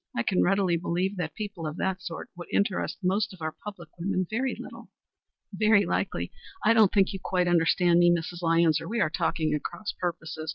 I can readily believe that people of that sort would interest most of our public women very little." "Very likely. I don't think you quite understand me, Mrs. Lyons, or we are talking at cross purposes.